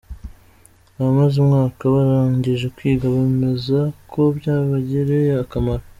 Abamaze umwaka barangije kwiga bemeza ko byabagiriye akamaro.